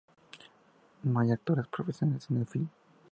No hay actores profesionales en el filme.